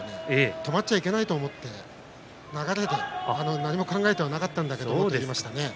止まってはいけないと思って流れで何も考えていなかったんですと言っています。